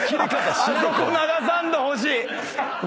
あそこ流さんでほしい！